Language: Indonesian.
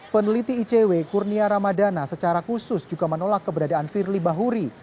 peneliti icw kurnia ramadana secara khusus juga menolak keberadaan firly bahuri